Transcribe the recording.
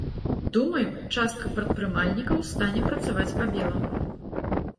Думаю, частка прадпрымальнікаў стане працаваць па-беламу.